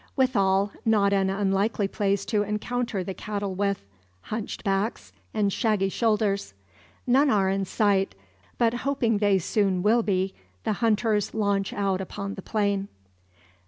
Withal, not an unlikely place to encounter the cattle with; hunched backs, and shaggy shoulders. None are in sight; but hoping they soon will be the hunters launch out upon the plain.